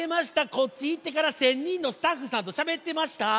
こっちいってから１，０００にんのスタッフさんとしゃべってました。